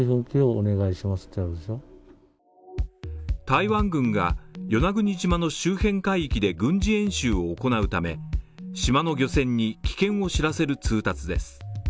台湾軍が、与那国島の周辺海域で軍事演習を行うため、島の漁船に危険を知らせる通達です。